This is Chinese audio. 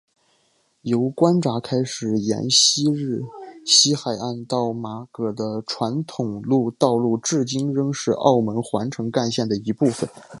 由关闸开始沿昔日西海岸到妈阁的传统道路至今仍然是澳门环城干线的一部分。